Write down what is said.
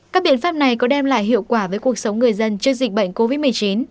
các biện pháp này có đem lại hiệu quả với cuộc sống người dân trước dịch bệnh covid một mươi chín